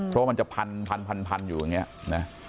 เพราะว่ามันจะพันอยู่อย่างนี้นะ